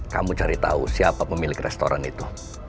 kamu cari tahu siapa pemilik restoran itu